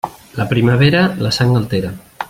La primavera, la sang altera.